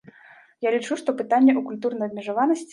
Я лічу, што пытанне ў культурнай абмежаванасці.